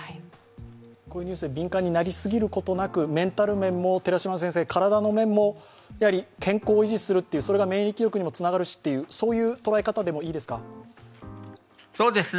こういうニュースで敏感になりすぎることなく、メンタル面も体の面も健康を維持するっていうそれが免疫力にもつながるしというそういう捉え方でもいいですか？